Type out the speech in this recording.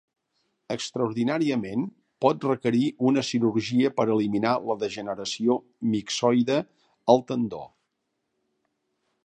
Extraordinàriament pot requerir una cirurgia per eliminar la degeneració mixoide al tendó.